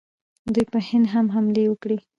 دوی په هند هم حملې وکړې